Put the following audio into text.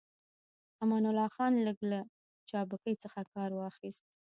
امان الله خان لږ له چابکۍ څخه کار واخيست.